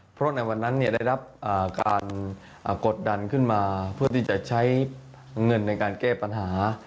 เพราะในวันนั้นได้รับการกดดันขึ้นมาเพื่อที่จะใช้เงินในการแก้ปัญหา